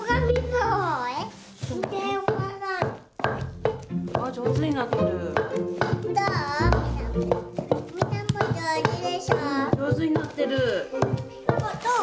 うん上手になってる。